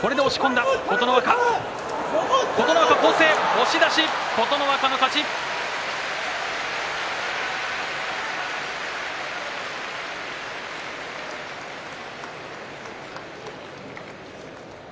押し出し琴ノ若の勝ちです。